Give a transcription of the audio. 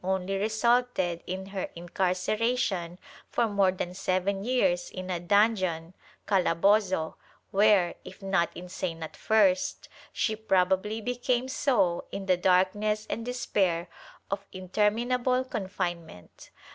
Vni] THE DEFENCE— INSANITY 63 resulted in her incarceration for more than seven years in a dungeon (calabozo) where, if not insane at first, she probably became so in the darkness and despair of interminable confine ment.'